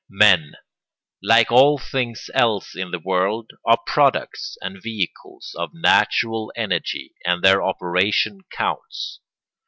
] Men, like all things else in the world, are products and vehicles of natural energy, and their operation counts.